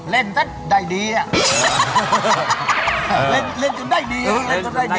เล่นกันได้ดีอ่ะ